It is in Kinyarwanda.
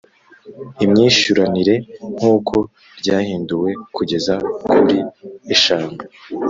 imyishyuranire nk uko ryahinduwe kugeza kuri eshanu